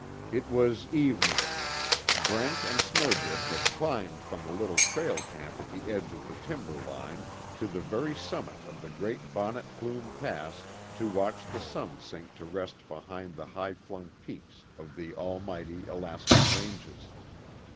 It was evening. Brent and Snowdrift had climbed from the little trail camp at the edge of the timber line, to the very summit of the great Bonnet Plume Pass to watch the sun sink to rest behind the high flung peaks of the mighty Alaskan ranges.